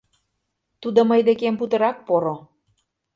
Тудо мый декем путырак поро.